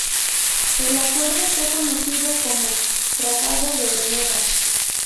El acuerdo fue conocido como "Tratado de Benegas".